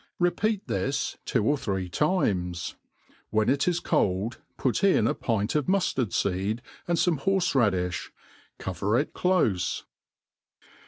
Repeat this twd or three times ; when it is cold, put in a pint of muftard feed» and feme liCMrie radifb j cover it clofe.